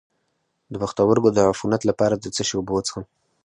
د پښتورګو د عفونت لپاره د څه شي اوبه وڅښم؟